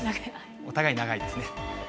お互い長いですね。